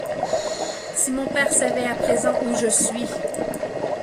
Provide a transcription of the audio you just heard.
Si mon père savait à présent où je suis!